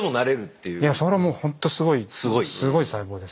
いやそれはもうほんとすごいすごい細胞です。